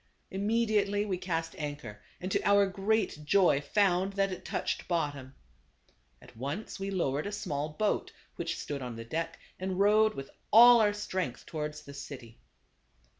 Immediately we cast anchor, and to our great joy found that it touched bottom. At once we low ered a small boat which stood on the deck, and rowed with all our strength towards the city.